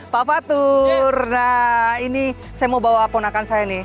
pak fatur ini saya mau bawa keponakan saya nih